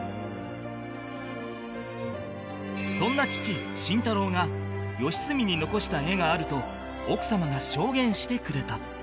そんな父慎太郎が良純に残した絵があると奥様が証言してくれた